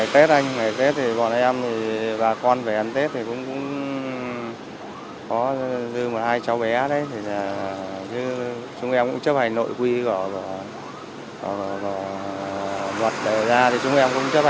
trả ra đây